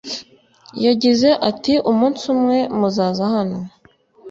Yagize ati umunsi umwe muzaza hano